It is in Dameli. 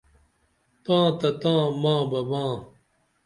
تاں تہ تاں ما بہ ما